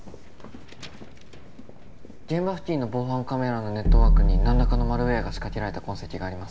現場付近の防犯カメラのネットワークに何らかのマルウエアが仕掛けられた痕跡があります